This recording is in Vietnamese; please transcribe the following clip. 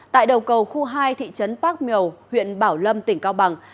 tại đầu cầu khu hai thị trấn park mều huyện bảo lâm tỉnh cao bằng